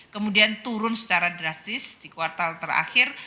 kemudian turun secara drastis di kuartal terakhir